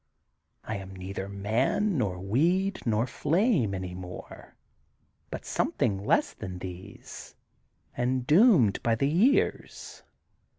I am neither man nor weed nor flame any more but something less than these and doomed by the years.